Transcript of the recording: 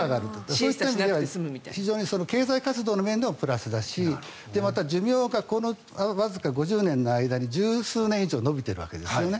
そうした意味では経済活動の面でもプラスだしまた寿命がわずか５０年の間に１０数年以上延びているわけですよね。